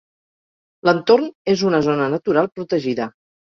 L'entorn és una zona natural protegida.